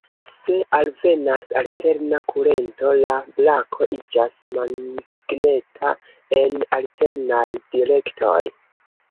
Se alvenas alterna kurento, la brako iĝas magneta en alternaj direktoj.